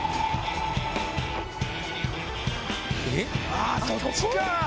あそっちか！